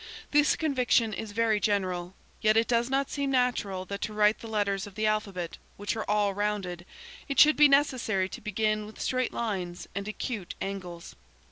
This conviction is very general. Yet it does not seem natural that to write the letters of the alphabet, which are all rounded, it should be necessary to begin with straight lines and acute angles.